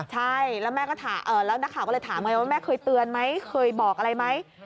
ใช่แล้วนักข่าวก็เลยถามมาว่าแม่เคยเตือนไหมเคยบอกอะไรไหม